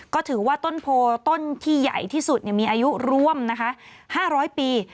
ก็ถือว่าต้นโพต้นที่ใหญ่ที่สุดมีอายุร่วมนะคะ๕๐๐ปี